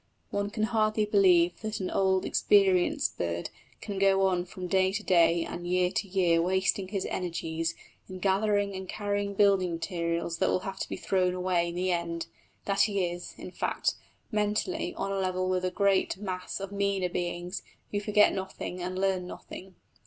One can hardly believe that an old, experienced bird can go on from day to day and year to year wasting his energies in gathering and carrying building materials that will have to be thrown away in the end that he is, in fact, mentally on a level with the great mass of meaner beings who forget nothing and learn nothing.